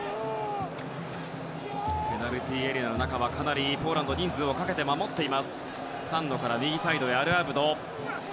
ペナルティーエリアの中はかなりポーランドは人数をかけて守っています。